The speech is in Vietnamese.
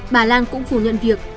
bà lan cũng phủ nhận việc